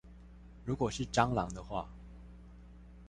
如果是蟑螂的話